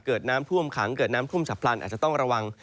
เกิดน้ำท่วมขังเกิดน้ำท่วมฉับพลันอาจจะต้องระวัง